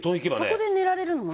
そこで寝られるのはね。